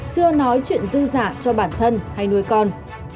chưa nói chuyện dư giả cho bản thân hay nuôi con